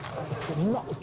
うまっ。